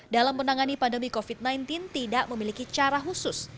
dalam menangani pandemi covid sembilan belas tidak memiliki cara khusus